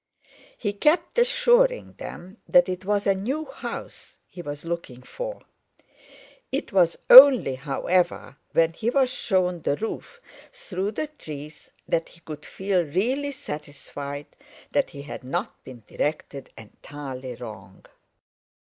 He kept assuring them that it was a new house he was looking for; it was only, however, when he was shown the roof through the trees that he could feel really satisfied that he had not been directed entirely wrong.